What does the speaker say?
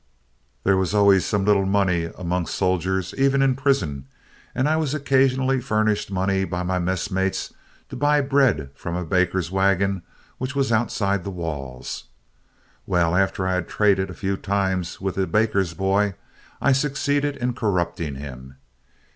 There was always some little money amongst soldiers, even in prison, and I was occasionally furnished money by my messmates to buy bread from a baker's wagon which was outside the walls. Well, after I had traded a few times with the baker's boy, I succeeded in corrupting him.